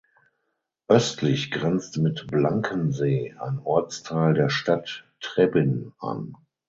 Östlich grenzt mit Blankensee ein Ortsteil der Stadt Trebbin an.